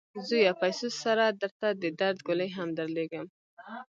زویه! پیسو سره درته د درد ګولۍ هم درلیږم.